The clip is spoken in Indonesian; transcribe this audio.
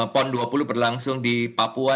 pon dua puluh berlangsung di papua